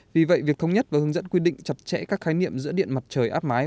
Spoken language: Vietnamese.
vì vậy việc thống nhất và hướng dẫn quy định chặt chẽ các khái niệm giữa điện mặt trời áp mái